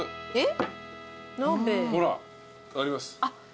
えっ？ほらあります。